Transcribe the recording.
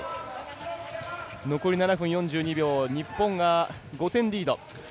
残り７分４２秒日本が５点リード。